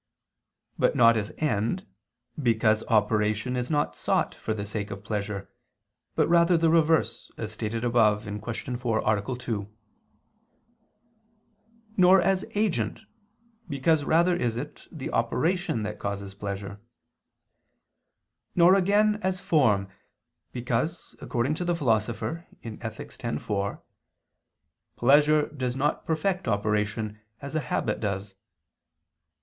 But not as end; because operation is not sought for the sake of pleasure, but rather the reverse, as stated above (Q. 4, A. 2): nor as agent, because rather is it the operation that causes pleasure: nor again as form, because, according to the Philosopher (Ethic. x, 4), "pleasure does not perfect operation, as a habit does."